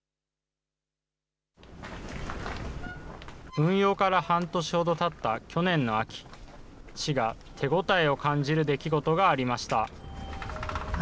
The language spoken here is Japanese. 運用から半年ほどたった去年の秋、市が手応えを感じる出来事がありました。